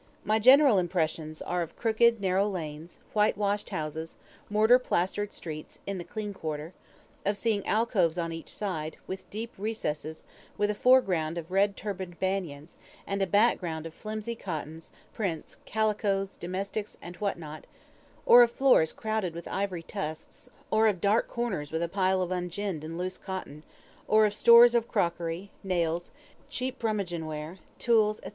My general impressions are of crooked, narrow lanes, white washed houses, mortar plastered streets, in the clean quarter; of seeing alcoves on each side, with deep recesses, with a fore ground of red turbaned Banyans, and a back ground of flimsy cottons, prints, calicoes, domestics and what not; or of floors crowded with ivory tusks; or of dark corners with a pile of unginned and loose cotton; or of stores of crockery, nails, cheap Brummagem ware, tools, &c.